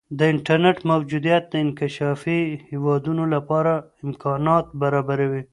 د انټرنیټ موجودیت د انکشافي هیوادونو لپاره امکانات برابروي.